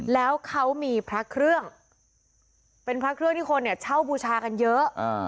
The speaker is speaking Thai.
แล้วเขามีพระเครื่องเป็นพระเครื่องที่คนเนี่ยเช่าบูชากันเยอะ